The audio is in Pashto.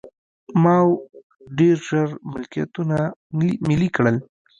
ماوو ډېر ژر ملکیتونه ملي کړل.